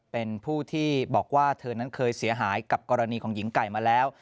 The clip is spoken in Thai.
เป็นผู้ที่บอกว่าเธอนั้นเคยเสียหายกับกรณีของหญิงไก่มาแล้ว